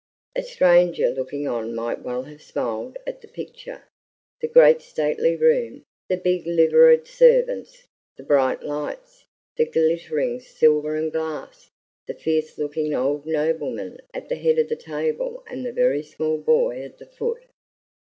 A stranger looking on might well have smiled at the picture, the great stately room, the big liveried servants, the bright lights, the glittering silver and glass, the fierce looking old nobleman at the head of the table and the very small boy at the foot.